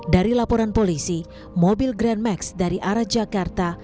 dari laporan polisi mobil grand max dari arah jakarta